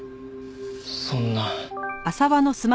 そんな。